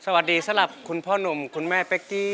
สวัสดีสำหรับคุณพ่อหนุ่มคุณแม่เป๊กกี้